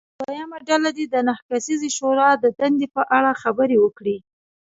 دویمه ډله دې د نهه کسیزې شورا د دندې په اړه خبرې وکړي.